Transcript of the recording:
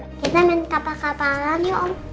akhirnya main kapal kapalan yuk om